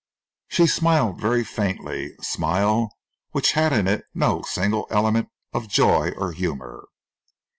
She smiled very faintly, a smile which had in it no single element of joy or humour.